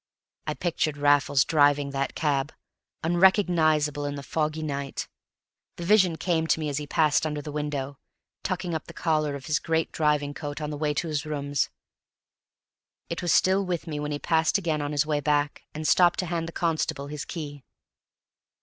I pictured Raffles driving that cab, unrecognizable in the foggy night; the vision came to me as he passed under the window, tucking up the collar of his great driving coat on the way to his rooms; it was still with me when he passed again on his way back, and stopped to hand the constable his key.